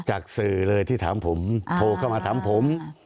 จากสื่อเลยที่ถามผมโทรเข้ามาถามผม